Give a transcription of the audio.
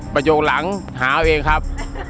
ประโยคหลังหาเอาเองครับ